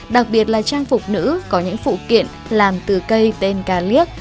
đặc biệt là trang phục nữ có những phụ kiện làm từ cây tên ca liếc